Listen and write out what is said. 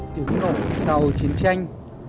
từ nổ sau chiến tranh